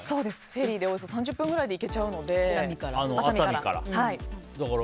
フェリーでおよそ３０分くらいで行けちゃうので、熱海から。